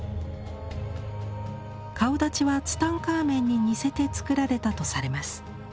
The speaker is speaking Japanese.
顔だちはツタンカーメンに似せて作られたとされます。